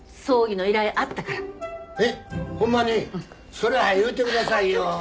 それを早言うてくださいよ。